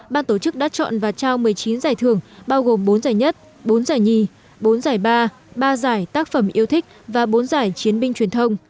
ban tổ chức đã chọn và trao một mươi chín giải thưởng bao gồm bốn giải nhất bốn giải nhì bốn giải ba ba giải tác phẩm yêu thích và bốn giải chiến binh truyền thông